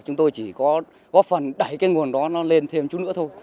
chúng tôi chỉ có góp phần đẩy cái nguồn đó nó lên thêm chút nữa thôi